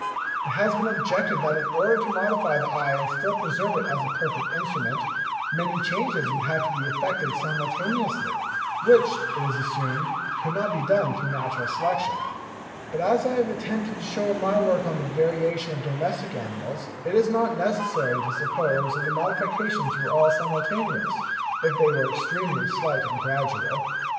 It has been objected that in order to modify the eye and still preserve it as a perfect instrument, many changes would have to be effected simultaneously, which, it is assumed, could not be done through natural selection; but as I have attempted to show in my work on the variation of domestic animals, it is not necessary to suppose that the modifications were all simultaneous, if they were extremely slight and gradual.